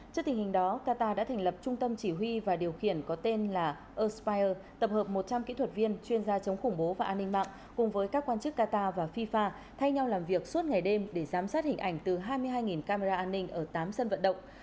trước tình hình đó qatar đã thành lập trung tâm chỉ huy và điều khiển có tên là urspier tập hợp một trăm linh kỹ thuật viên chuyên gia chống khủng bố và an ninh mạng cùng với các quan chức qatar và fifa thay nhau làm việc suốt ngày đêm để giám sát hình ảnh từ hai mươi hai camera an ninh ở tám sân vận động